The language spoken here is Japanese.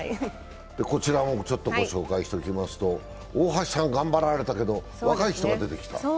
こちらもちょっとご紹介しておきますと、大橋さん、頑張られたけど若い人が出てきた。